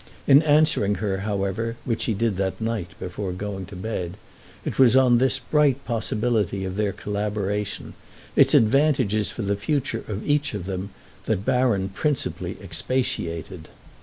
In answering her, however, which he did that night before going to bed, it was on this bright possibility of their collaboration, its advantages for the future of each of them, that Baron principally expatiated.